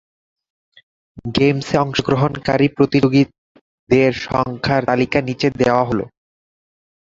গেমসে অংশগ্রহণকারী প্রতিযোগীদের সংখ্যার তালিকা নিচে দেওয়া হল।